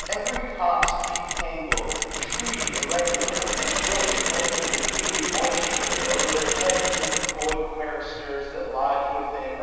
Every copse Deep tangled, tree irregular, and bush Bending with dewy moisture, o'er the heads Of the coy quiristers that lodge within.